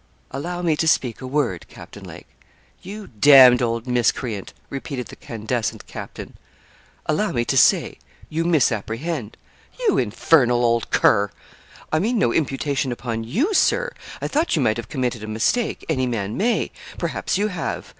'Allow me to speak a word, Captain Lake.' 'You d d old miscreant!' repeated the candescent captain. 'Allow me to say, you misapprehend.' 'You infernal old cur!' 'I mean no imputation upon you, Sir. I thought you might have committed a mistake any man may; perhaps you have.